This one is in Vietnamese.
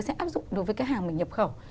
sẽ áp dụng đối với cái hàng mình nhập khẩu